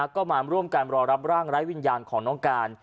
ก็มาร่วมกันรอรับร่างไร้วิญญาณของน้องการ